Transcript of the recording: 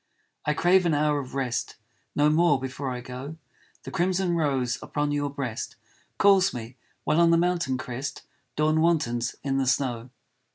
I crave an hour of rest No more before I go, The crimson rose upon your breast Calls me, while on the mountain crest Dawn wantons in the snow.